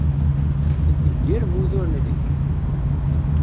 Teddeggirem wid ur nelhi.